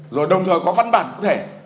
rồi đồng thời có văn bản cụ thể